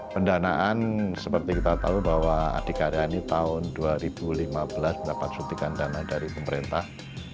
pendanaan seperti kita tahu bahwa adhikaryani tahun dua ribu lima belas dapat sutikan dana dari pemerintah